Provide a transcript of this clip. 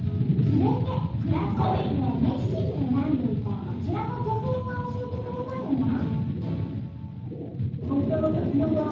続いてクラフトビールを熱心に選んでいたこちらの女性が教えてくれたのは。